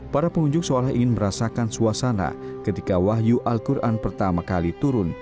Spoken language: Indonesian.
para pengunjuk seolah ingin merasakan suasana ketika wahyu al quran pertama kali turun